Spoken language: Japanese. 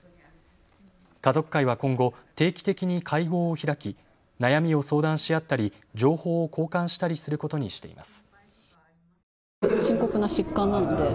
家族会は今後、定期的に会合を開き、悩みを相談し合ったり情報を交換したりすることにしています。